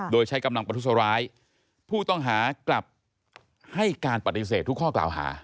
โดยใช้กำลังประทุษร้ายผู้ต้องหากลับให้การปฏิเสธทุกข้อกล่าวหา